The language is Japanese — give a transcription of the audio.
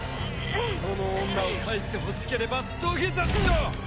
この女を返してほしければ土下座しろ！